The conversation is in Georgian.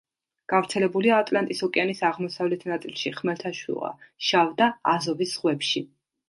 გავრცელებულია ატლანტის ოკეანის აღმოსავლეთ ნაწილში, ხმელთაშუა, შავ და აზოვის ზღვებში.